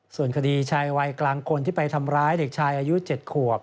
ส่วนคดีชายวัยกลางคนที่ไปทำร้ายเด็กชายอายุ๗ขวบ